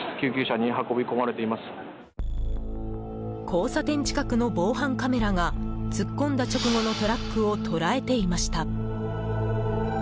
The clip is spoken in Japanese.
交差点近くの防犯カメラが突っ込んだ直後のトラックを捉えていました。